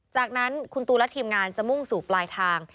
จากนั้นคุณตูนและทีมงานจะมุ่งสู่ปลายทาง